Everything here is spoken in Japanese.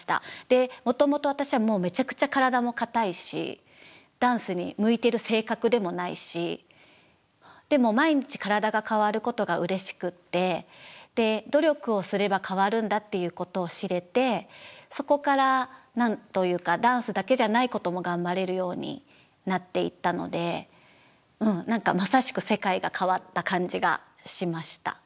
もともと私はめちゃくちゃ体も硬いしダンスに向いてる性格でもないしでも毎日体が変わることがうれしくてっていうことを知れてそこから何というかダンスだけじゃないことも頑張れるようになっていったのでうん何かまさしく感じがしました。